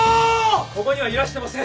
ここにはいらしてません。